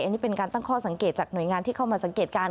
อันนี้เป็นการตั้งข้อสังเกตจากหน่วยงานที่เข้ามาสังเกตการณ